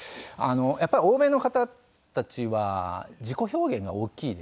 やっぱり欧米の方たちは自己表現が大きいですよね。